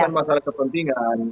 bukan masalah kepentingan